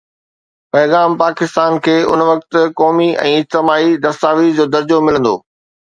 پيغام پاڪستان کي ان وقت قومي ۽ اجتماعي دستاويز جو درجو ملندو.